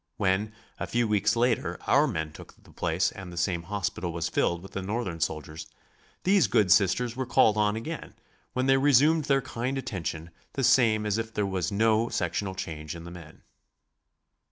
When, a few weeks later, our men took the place and the same hospital was filled with the Northern soldiers, these good Sisters were called on again, when they resumed their kind attention the same as if there was no sectional change in the men."